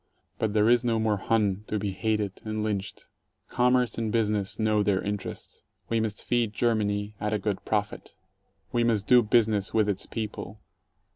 But there is no more "Hun" to be hated and lynched. Com merce and business know their interests. We must feed Germany — at a good profit. We must do business with its people.